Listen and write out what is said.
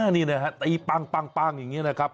นี่นะครับไอ้ปั้งอย่างนี้นะครับ